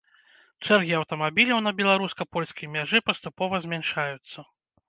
Чэргі аўтамабіляў на беларуска-польскай мяжы паступова змяншаюцца.